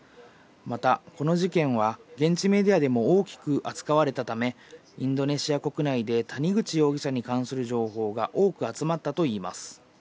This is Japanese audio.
また、この事件は、現地メディアでも大きく扱われたため、インドネシア国内で谷口容疑者に関する情報が多く集まったといいます。